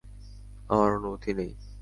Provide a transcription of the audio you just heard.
আমার অনুমতি নেই।